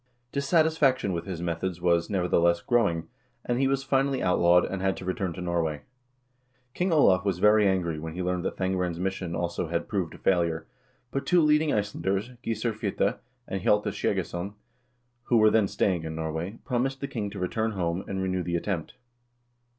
Dissatisfaction with his methods was, nevertheless, growing, and he was finally outlawed, and had to re turn to Norway. King Olav was very angry when he learned that Thangbrand's mission also had proved a failure, but two leading Ice landers, Gissur Hvite and Hjalte Skjeggesson, who were then stay ing in Norway, promised the king to return home, and renew the attempt.